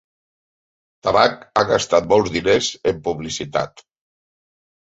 Tabac ha gastat molts diners en publicitat.